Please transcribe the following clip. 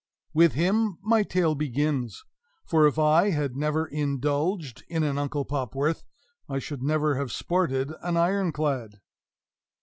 With him my tale begins; for if I had never indulged in an Uncle Popworth I should never have sported an Iron clad.